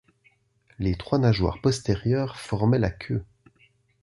Les trois nageoires postérieures formaient la queue.